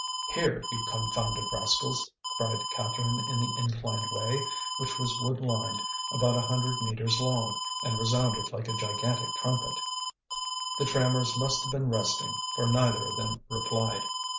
"Here, you confounded rascals," cried Catherine in the inclined way, which was wood lined, about a hundred metres long, and resounded like a gigantic trumpet. The trammers must have been resting, for neither of them replied.